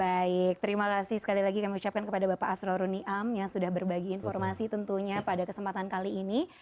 baik terima kasih sekali lagi kami ucapkan kepada bapak asroruniam yang sudah berbagi informasi tentunya pada kesempatan kali ini